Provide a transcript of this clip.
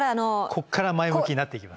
こっから前向きになっていきます。